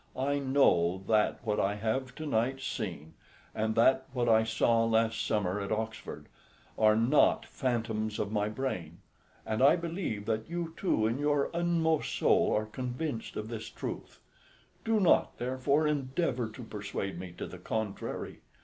I know that what I have to night seen, and that what I saw last summer at Oxford, are not phantoms of my brain; and I believe that you too in your inmost soul are convinced of this truth. Do not, therefore, endeavour to persuade me to the contrary.